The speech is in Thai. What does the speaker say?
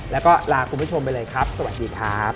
แล้วก็ลาคุณผู้ชมไปเลยครับสวัสดีครับ